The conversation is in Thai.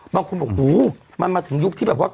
บางคนบอกหูมันมาถึงยุคที่แบบว่า